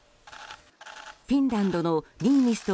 フィンランドのニーニスト